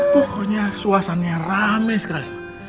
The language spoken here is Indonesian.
pokoknya suasana rame sekali